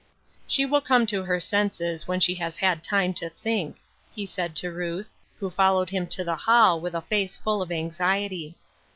" She will come to her senses when she has had time to think," he said to Ruth, who followed him to the hall, with a face full of anxiety.